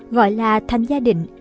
gọi là thành gia định